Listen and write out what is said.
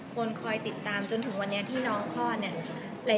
คอยติดตามจนถึงวันนี้ที่น้องคลอดเนี่ย